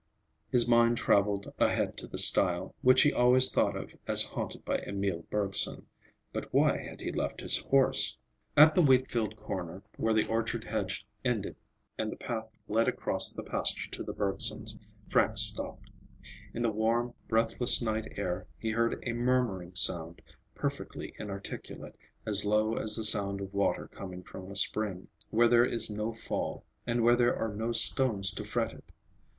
His mind traveled ahead to the stile, which he always thought of as haunted by Emil Bergson. But why had he left his horse? At the wheatfield corner, where the orchard hedge ended and the path led across the pasture to the Bergsons', Frank stopped. In the warm, breathless night air he heard a murmuring sound, perfectly inarticulate, as low as the sound of water coming from a spring, where there is no fall, and where there are no stones to fret it.